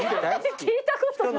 聞いたことない！